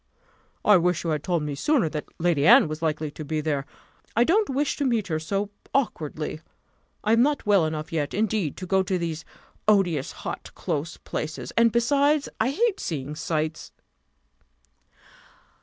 "I wish you had told me sooner that Lady Anne was likely to be there I don't wish to meet her so awkwardly: I am not well enough yet, indeed, to go to these odious, hot, close places; and, besides, I hate seeing sights."